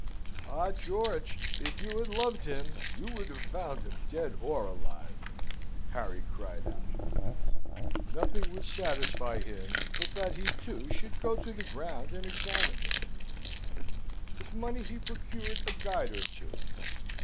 "Ah, George! If you had loved him you would have found him dead or alive," Harry cried out. Nothing would satisfy him but that he, too, should go to the ground and examine it. With money he procured a guide or two.